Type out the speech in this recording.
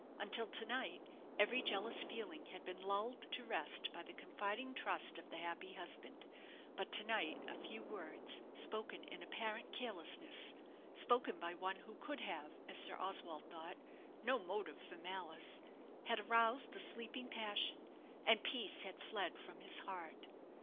Until to night every jealous feeling had been lulled to rest by the confiding trust of the happy husband; but to night a few words spoken in apparent carelessness spoken by one who could have, as Sir Oswald thought, no motive for malice had aroused the sleeping passion, and peace had fled from his heart.